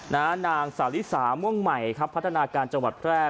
นางสาวลิสาม่วงใหม่ครับพัฒนาการจังหวัดแพร่